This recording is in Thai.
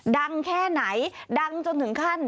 แค่ไหนดังจนถึงขั้น